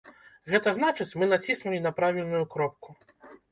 Гэта значыць, мы націснулі на правільную кропку.